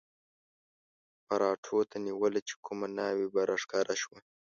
پراټو ته نیوله چې کومه ناوې به را ښکاره شوه.